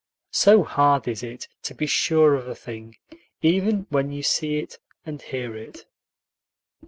So hard is it to be sure of a thing, even when you see it and hear it.